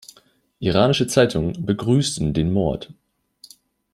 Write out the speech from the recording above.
Iranische Zeitungen begrüßten den Mord.